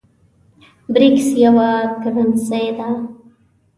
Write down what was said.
برېکس یوه کرنسۍ ده